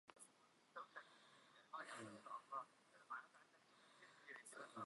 نازانم ئەو بە کوێندا چوو.